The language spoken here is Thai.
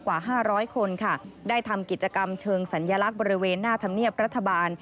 กว่า๕๐๐คนค่ะได้ทำกิจกรรมเชิงสัญลักษณ์บริเวณหน้าธรรมเนียบรัฐบาล